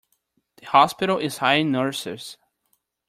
The hospital is hiring nurses.